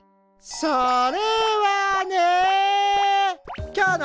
それはね。